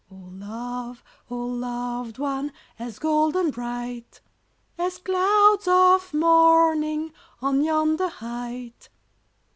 Oh love! oh loved one! As golden bright, As clouds of morning On yonder height!